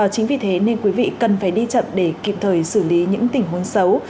chính vì thế nên quý vị cần phải đi chậm để kịp thời xử lý những tình huống xấu